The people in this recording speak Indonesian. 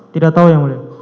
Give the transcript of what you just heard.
tidak tahu yang mulia